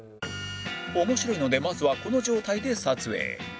面白いのでまずはこの状態で撮影